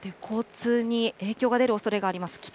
交通に影響が出るおそれがあります。